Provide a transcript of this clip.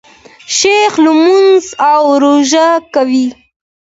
شیخ لمونځ او روژه کوي.